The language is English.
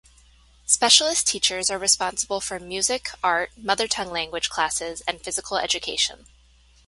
Specialist teachers are responsible for music, art, mother tongue language classes and physical education.